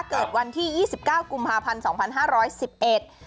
เกิดวันที่๒๙กุมภาพันธ์๒๕๑๑